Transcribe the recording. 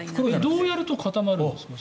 どうやると固まるんですか？